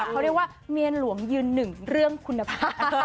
เขาเรียกว่าเมียหลวงยืนหนึ่งเรื่องคุณภาพ